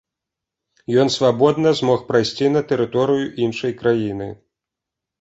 Ён свабодна змог прайсці на тэрыторыю іншай краіны.